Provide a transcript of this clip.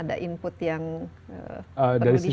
ada input yang perlu di share